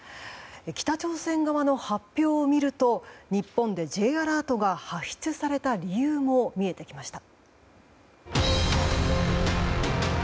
北朝鮮側の発表を見ると日本でＪアラートが発出された理由も見えてきました。